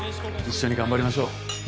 一緒に頑張りましょう